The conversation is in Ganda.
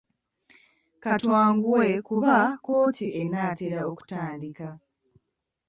Ka twanguwe kuba kkooti enaatera okutandika.